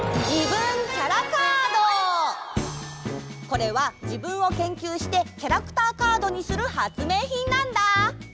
これは自分を研究してキャラクターカードにする発明品なんだ！